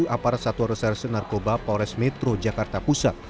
aparat satwa reserse narkoba pores metro jakarta pusat